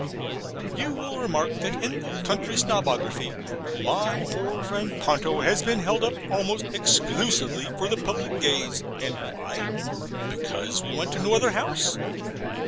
You will remark that in the Country Snobography my poor friend Ponto has been held up almost exclusively for the public gaze and why? Because we went to no other house?